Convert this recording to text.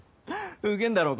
ウケんだろ